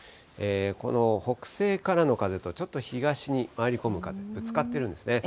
この北西からの風と、ちょっと東に回り込む風、ぶつかってるんですね。